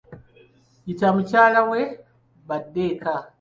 Yita mukyala we badde eka.